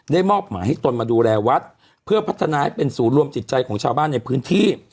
มอบหมายให้ตนมาดูแลวัดเพื่อพัฒนาให้เป็นศูนย์รวมจิตใจของชาวบ้านในพื้นที่